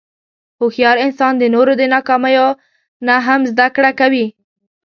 هوښیار انسان د نورو د ناکامیو نه هم زدهکړه کوي.